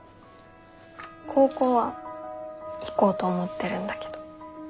高校は行こうと思ってるんだけど。